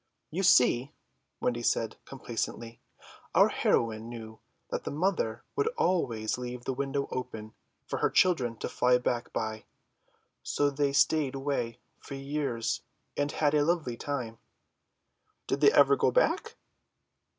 "You see," Wendy said complacently, "our heroine knew that the mother would always leave the window open for her children to fly back by; so they stayed away for years and had a lovely time." "Did they ever go back?"